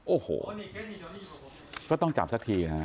โอ้โหก็ต้องจับสักทีฮะ